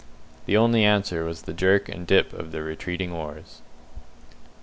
The only answer was the jerk and dip of the retreating oars.